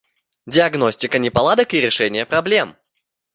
Диагностика неполадок и решение проблем